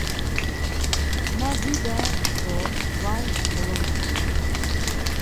Ma vida do var molomaxunen.